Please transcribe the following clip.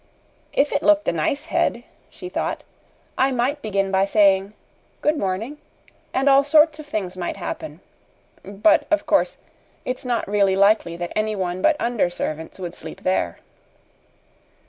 "If it looked a nice head," she thought, "I might begin by saying, 'Good morning,' and all sorts of things might happen. But, of course, it's not really likely that anyone but under servants would sleep there."